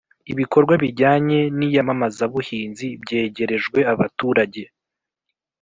ibikorwa bijyanye n'iyamamazabuhinzi byegerejwe abaturage